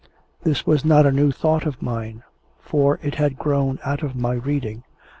This was not a new thought of mine, for it had grown out of my reading.